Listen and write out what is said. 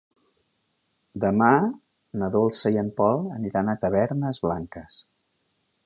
Demà na Dolça i en Pol aniran a Tavernes Blanques.